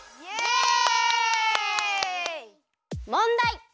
もんだい！